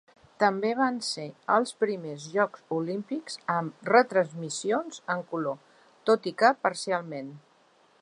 També van ser els primers Jocs Olímpics amb retransmissions en color, tot i que parcialment.